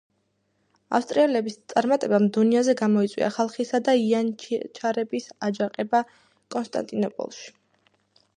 ავსტრიელების წარმატებამ დუნაიზე გამოიწვია ხალხისა და იანიჩარების აჯანყება კონსტანტინოპოლში.